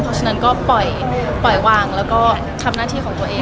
เพราะฉะนั้นก็ปล่อยวางแล้วก็ทำหน้าที่ของตัวเอง